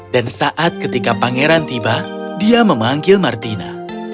dan saat ketika pangeran tiba dia memanggil martina